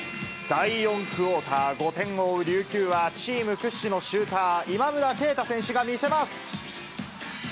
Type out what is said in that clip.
第４クオーター、５点を追う琉球は、チーム屈指のシューター、今村佳太選手が見せます。